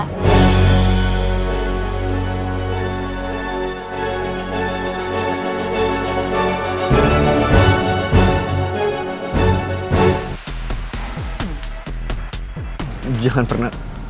kita jangan pernah ketemu lagi batu bata